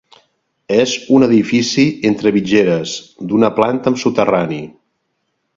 És un edifici entre mitgeres, d'una planta amb soterrani.